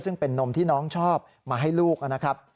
ซึ่งเป็นนมที่น้องชอบมาให้ลูกนะครับ